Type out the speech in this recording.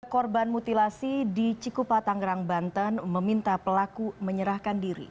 korban mutilasi di cikupa tangerang banten meminta pelaku menyerahkan diri